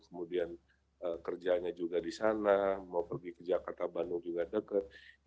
kemudian kerjanya juga di sana mau pergi ke jakarta bandung juga dekat